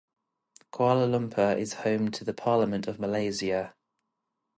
Kuala Lumpur is home to the Parliament of Malaysia.